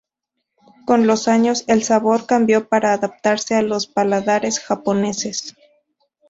Con los años el sabor cambió para adaptarse a los paladares japoneses.